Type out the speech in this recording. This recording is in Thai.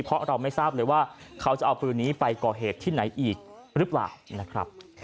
เพราะเราไม่ทราบเลยว่าเขาจะเอาปืนนี้ไปก่อเหตุที่ไหนอีกหรือเปล่านะครับ